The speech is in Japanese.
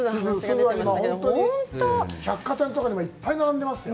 百貨店とかでもいっぱい並んでますよ。